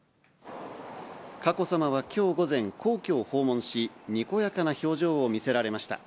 佳子さまはきょう午前、皇居を訪問し、にこやかな表情を見せられました。